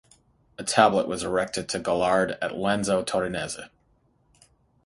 A tablet was erected to Gaulard at Lanzo Torinese.